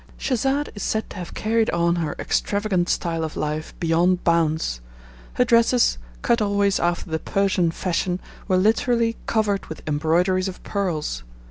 Schesade is said to have carried on her extravagant style of life beyond bounds; her dresses, cut always after the Persian fashion, were literally covered with embroideries of pearls.